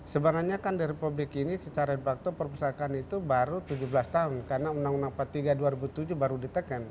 sebenarnya kan dari publik ini secara de facto perpustakaan itu baru tujuh belas tahun karena uu empat puluh tiga dua ribu tujuh baru ditekan